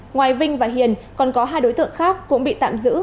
ngoài vinh và hiền còn có hai đối tượng khác cũng bị tạm giữ